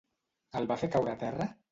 El va fer caure a terra?